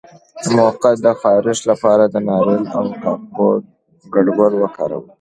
د مقعد د خارښ لپاره د ناریل او کافور ګډول وکاروئ